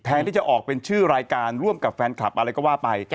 ที่จะออกเป็นชื่อรายการร่วมกับแฟนคลับอะไรก็ว่าไป